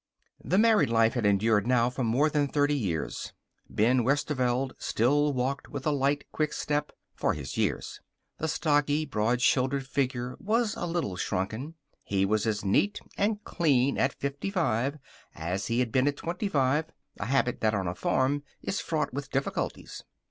That married life had endured now for more than thirty years. Ben Westerveld still walked with a light, quick step for his years. The stocky, broad shouldered figure was a little shrunken. He was as neat and clean at fifty five as he had been at twenty five a habit that, on a farm, is fraught with difficulties.